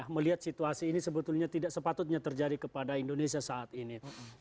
melihat situasi ini sebetulnya tidak sepatutnya terjadi kepada indonesia saat ini